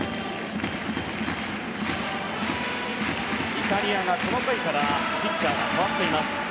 イタリアがこの回からピッチャーが代わっています。